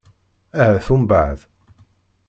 Ahat umbeɛd.